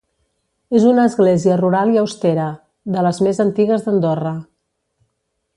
És una església rural i austera, de les més antigues d'Andorra.